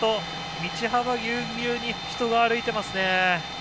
道幅ぎゅうぎゅうに、人が歩いてますね。